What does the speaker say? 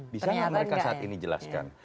bisa nggak mereka saat ini jelaskan